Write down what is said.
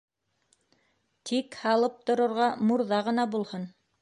Тик һалып торорға мурҙа ғына булһын.